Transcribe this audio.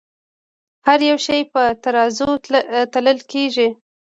هر يو شے پۀ ترازو تللے کيږې